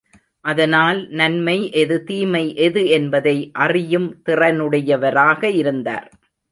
அதனால் நன்மை எது தீமை எது என்பதை அறியும் திறனுடையவராக இருந்தார்.